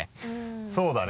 そうだね